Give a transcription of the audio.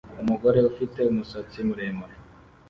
Umugore ufite umusatsi muremure